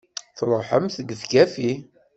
Truḥemt gefgafi!